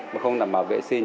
mà không đảm bảo vệ sinh